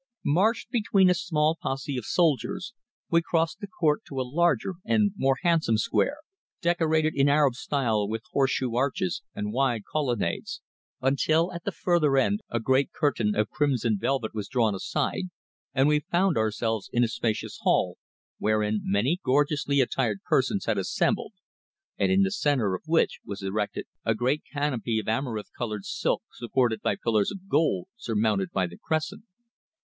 Marched between a small posse of soldiers, we crossed the court to a larger and more handsome square, decorated in Arab style with horseshoe arches and wide colonnades, until at the further end a great curtain of crimson velvet was drawn aside and we found ourselves in a spacious hall, wherein many gorgeously attired persons had assembled and in the centre of which was erected a great canopy of amaranth coloured silk supported by pillars of gold surmounted by the crescent.